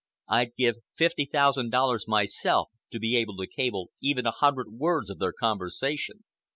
I'd give fifty thousand dollars myself to be able to cable even a hundred words of their conversation."